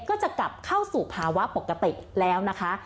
ก็จะกลับเข้าสู่ภาวะปกติแล้วนะคะ